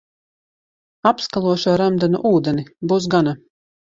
Apskalošu ar remdenu ūdeni, būs gana.